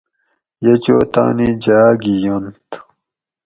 یہ چو تانی جاۤ گی ینت